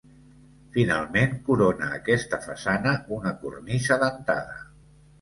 Finalment corona aquesta façana una cornisa dentada.